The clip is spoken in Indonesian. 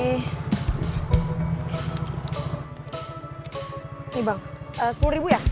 ini bang sepuluh ribu ya